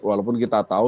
walaupun kita tahu